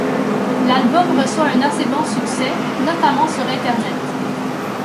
L'album reçoit un assez bon succès, notamment sur Internet.